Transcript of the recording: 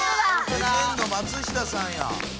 レジェンド松下さんや。